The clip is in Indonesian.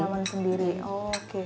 tanaman sendiri oke